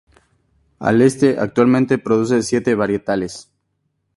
Al Este actualmente produce siete varietales.